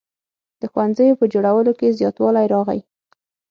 د ښوونځیو په جوړولو کې زیاتوالی راغی.